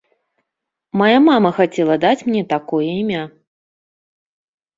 Мая мама хацела даць мне такое імя.